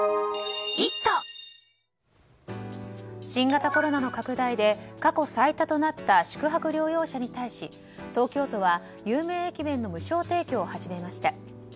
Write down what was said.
新型コロナの拡大で過去最多となった宿泊療養者に対し、東京都は有名駅弁の無償提供を始めました。